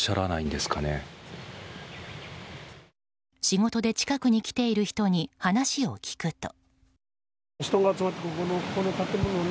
仕事で近くに来ている人に話を聞くと。